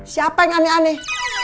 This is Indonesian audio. siapa yang aneh aneh